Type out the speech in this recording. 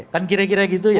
kan kira kira gitu ya